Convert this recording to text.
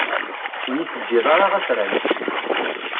Ur iyi-teǧǧiḍ ara afran.